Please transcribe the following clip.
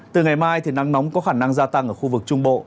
từ ngày mai thì nắng nóng có khả năng gia tăng ở khu vực trung bộ